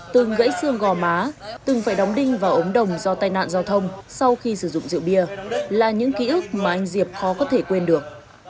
từng gãy xương gò má từng phải đóng đinh vào ống đồng do tai nạn giao thông sau khi sử dụng rượu bia là những ký ức mà anh diệp khó có thể quên được